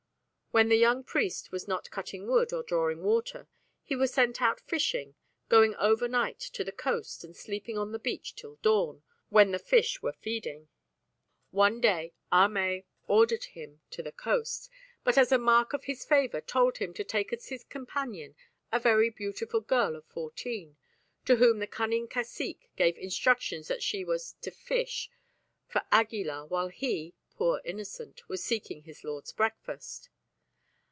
When the young priest was not cutting wood or drawing water, he was sent out fishing, going overnight to the coast and sleeping on the beach till dawn, when the fish were feeding. One day Ahmay ordered him to the coast, but as a mark of his favour told him to take as his companion a very beautiful girl of fourteen, to whom the cunning cacique gave instructions that she was to "fish" for Aguilar while he poor innocent was seeking his lord's breakfast.